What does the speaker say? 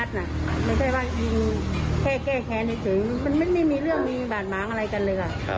ไม่ใช่ว่ายิงแค่แก้แค้นเฉยมันไม่มีเรื่องมีบาดหมางอะไรกันเลยค่ะ